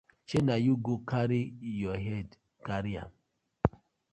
Shey na yu go karry yu head carry am.